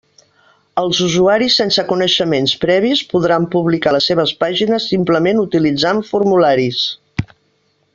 Els usuaris sense coneixements previs podran publicar les seves pàgines simplement utilitzant formularis.